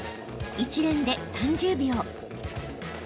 一連で３０秒。